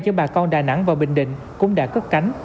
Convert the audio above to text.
cho bà con đà nẵng và bình định cũng đã cất cánh